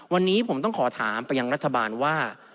วันนี้ผมต้องขอถามไปยังรัฐบาลว่า